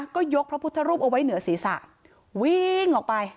ก็ยกพระพุทธรูปเอาไว้เหนือศีรษะวิ่งออกไป